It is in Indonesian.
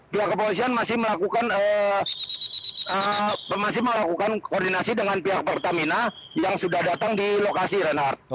pihak kepolisian masih melakukan masih melakukan koordinasi dengan pihak pertamina yang sudah datang di lokasi renard